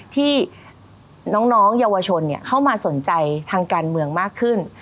ที่น้องเยาวชนเข้ามาสนใจทางการเมืองมากขึ้น